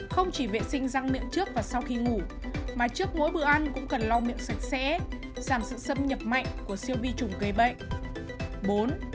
không chỉ vệ sinh răng miệng trước và sau khi ngủ mà trước mỗi bữa ăn cũng cần lo miệng sạch sẽ giảm sự xâm nhập mạnh của siêu vi chủng gây bệnh